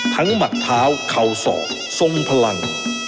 ทั้งหมัดเท้าเข่าสอบทรงพลัง